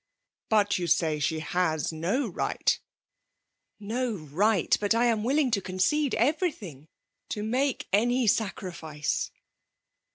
'* But you say she has no right ?'*•* No right ; but I am willing to concede everything — to make any sa^ifice